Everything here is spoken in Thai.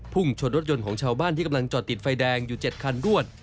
ชนรถยนต์ของชาวบ้านที่กำลังจอดติดไฟแดงอยู่๗คันรวด